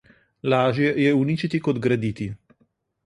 Lažje je uničiti kot graditi.